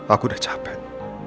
aku udah capek